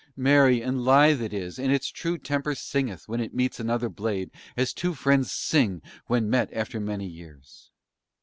Merry and lithe it is, and its true temper singeth when it meets another blade as two friends sing when met after many years.